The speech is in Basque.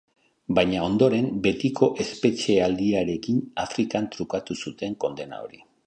Baina, ondoren, betiko espetxealdiarekin Afrikan trukatu zuten kondena hori.